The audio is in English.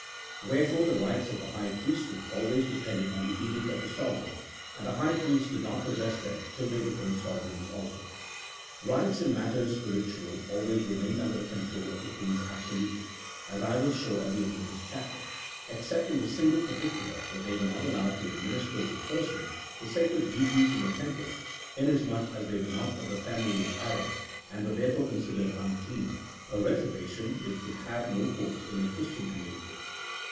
Wherefore the rights of the high priesthood always depended on the edict of the sovereign, and the high priests did not possess them till they became sovereigns also. Eights in matters spiritual always re mained under the control of the kings absolutely (as I will show at the end of this chapter), except in the single parti cular that they were not allowed to administer in person the sacred duties in the Temple, inasmuch as they were not of the family of Aaron, and were therefore considered un clean, a reservation which would have no force in a Christian community.